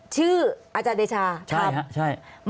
ชื่ออาจารย์เดชาทำใช่ครับ